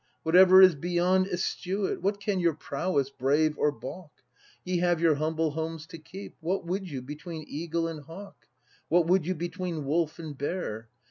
Whatever is beyond, eschew it! What can your prowess brave or baulk ? Ye have your humble homes to keep. What would you between eagle and hawk? What would you between wolf and bear?